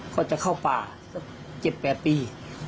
ก็จะเข้าป่าเจ็บแปดปี